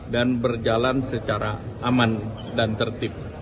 dan berjalan secara aman dan tertib